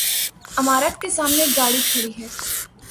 عمارت کے سامنے ایک گاڑی کھڑی ہے